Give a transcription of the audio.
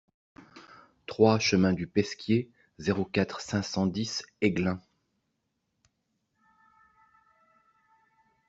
trois chemin du Pesquier, zéro quatre, cinq cent dix Aiglun